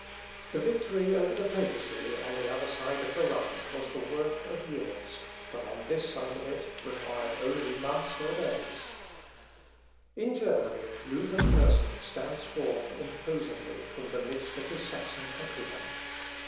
The victory over the papacy on the other side of the Rhine was the work of years, but on this side of it required only months or days. First Volume. [Sidenote: FOREIGN SERVICE.] In Germany, Luther's person stands forth imposingly from the midst of his Saxon countrymen.